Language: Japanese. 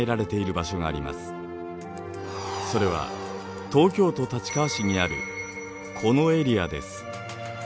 それは東京都立川市にあるこのエリアです。